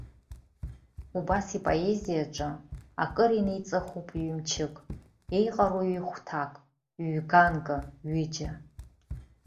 Убас ипоезиаҿы акыр инеиҵыхуп ҩ-мчык, еиҟароу ҩ-хәҭак, ҩ-ганкы, ҩыџьа.